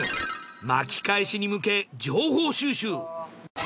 巻き返しに向け情報収集。